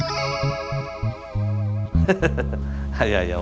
orang siapa nih yang jelek nih